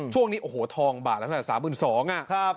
ช่วงนี้โอ้โหทองบาทละ๓๒๐๐๐อ่ะ